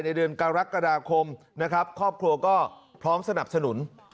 ในเดือนกรกฎาคมครอบครัวก็พร้อมสนับสนุน